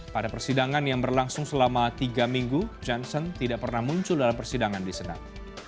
pada persidangan yang berlangsung selama tiga minggu johnson tidak pernah muncul dalam persidangan di senam